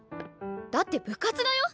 だって部活だよ？